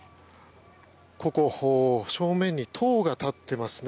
ここ、正面に塔が立っていますね。